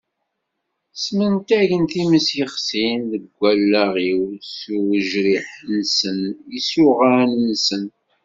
Smentagen times yexsin deg allaɣ-iw s uwejrireḥ-nsen d yisuɣan-nsent.